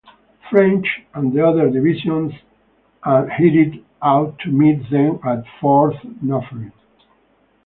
French and the other divisions, and headed out to meet them at Fort Dufferin.